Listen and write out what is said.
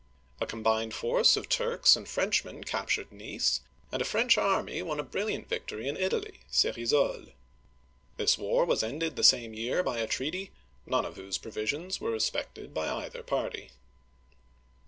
A Combined force of Turks and Frenchmen captured Nice, and a French army won a brilliant victory in Italy (C(6risoles). This war was ended the same year by a treaty, none of whose provisions were respected by either party.